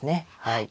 はい。